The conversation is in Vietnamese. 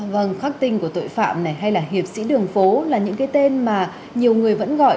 vâng khắc tinh của tội phạm này hay là hiệp sĩ đường phố là những cái tên mà nhiều người vẫn gọi